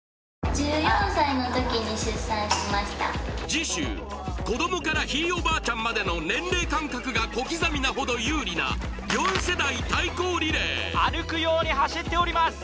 次週子供からひいおばあちゃんまでの年齢間隔が小刻みなほど有利な４世代対抗リレー歩くように走っております